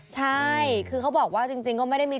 ใช่คือเขาบอกว่าจริงก็ไม่ได้มี